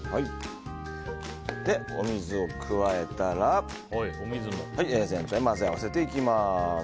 お水を加えたら全体混ぜ合わせていきます。